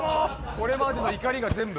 これまでの怒りが全部。